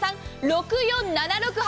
６４７６８